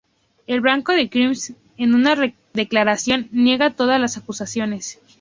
El Banco de Chipre en una declaración niega todas las acusaciones.